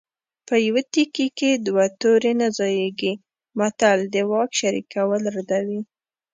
په یوه تیکي کې دوه تورې نه ځاییږي متل د واک شریکول ردوي